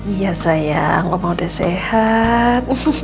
iya sayang ngomong udah sehat